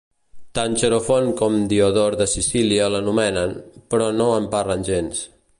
Tant Xenofont com Diodor de Sicília l'anomenen, però no en parlen gens.